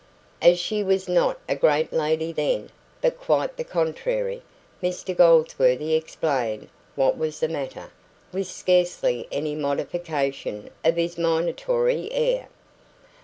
As she was not a great lady then, but quite the contrary, Mr Goldsworthy explained what was the matter, with scarcely any modification of his minatory air.